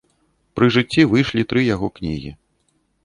Пры жыцці выйшлі тры яго кнігі.